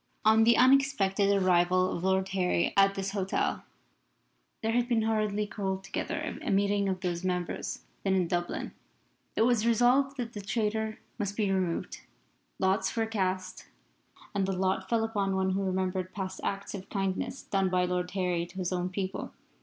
On the unexpected arrival of Lord Harry at this hotel, there had been hurriedly called together a meeting of those members then in Dublin. It was resolved that the traitor must be removed. Lots were cast, and the lot fell upon one who remembered past acts of kindness done by Lord Harry to his own people.